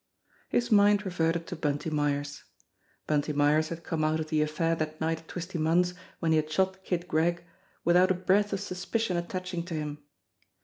His mind reverted to Bunty Myers. Bunty Myers had come out of the affair that night at Twisty Munn's when he had shot Kid Gregg without a breath of suspicion attaching to him.